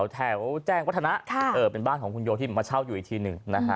แถววัฒนาเป็นบ้านของคุณโยที่มาเวลาเช่าอยู่อีกทีนึง